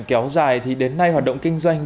kéo dài thì đến nay hoạt động kinh doanh